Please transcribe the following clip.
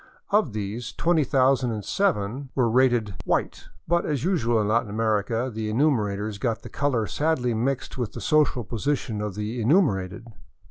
Of these, 20,007 were rated " white," but as usual in Latin America the enumerators got the color sadly mixed with the social position of the enumerated.